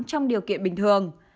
trong điều kiện bình thường